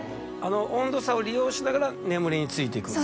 温度差を利用しながら眠りについていくんですか？